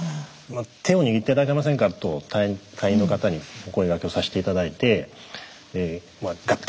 手を握って頂けませんかと隊員の方にお声がけをさせて頂いてガッと